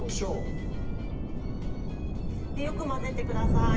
でよく混ぜてください。